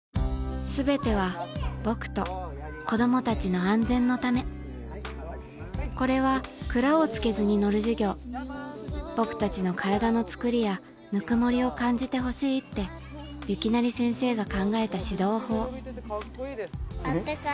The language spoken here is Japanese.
全ては僕と子供たちの安全のためこれはくらをつけずに乗る授業僕たちの体のつくりやぬくもりを感じてほしいって薫徳先生が考えた指導法温か！